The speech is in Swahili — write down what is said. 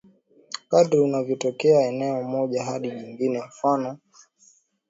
kadiri unavyotoka eneo moja hadi jingine mfano Kisseri Kimashati Kimkuu Kimengwe Kimahida Kivunjo Kimarangu